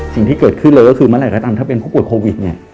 สิ่งที่เกิดขึ้นเลยก็คือเมื่อไหร่ก็ตามถ้าเป็นผู้ป่วยโควิดเนี่ย